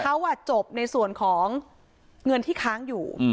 เขาจบในส่วนของเงินที่ค้างอยู่